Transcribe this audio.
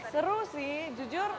seru sih jujur